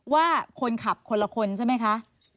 ว่าคนขับคนละคนใช่ไหมคะ